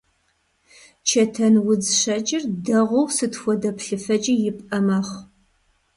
Чэтэнудз щэкӀыр дэгъуэу сыт хуэдэ плъыфэкӀи ипӀэ мэхъу.